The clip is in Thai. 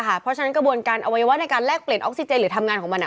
เพราะฉะนั้นกระบวนการอวัยวะในการแลกเปลี่ยนออกซิเจนหรือทำงานของมัน